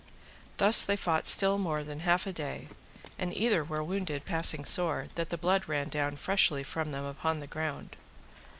Thus they fought still more than half a day, and either were wounded passing sore, that the blood ran down freshly from them upon the ground.